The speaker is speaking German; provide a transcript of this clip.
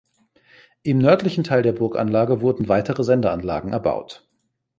Im nördlichen Teil der Burganlage wurden weitere Sendeanlagen erbaut.